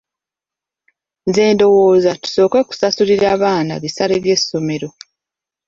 Nze ndowooza tusooke kusasulira baana bisale by'essomero.